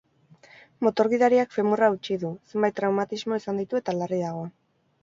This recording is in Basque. Motor gidariak femurra hautsi du, zenbait traumatismo izan ditu eta larri dago.